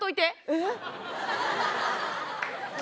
えっ。